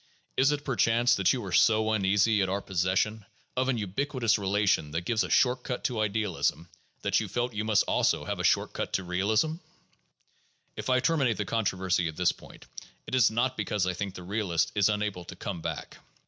Is it perchance that you were so uneasy at our possession of an ubiquitous relation that gives a short cut to idealism that you felt you must also have a short cut to realism 1 '' If I terminate the controversy at this point, it is not because I think the realist is unable to '' come back.